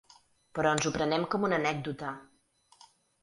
Però ens ho prenem com una anècdota.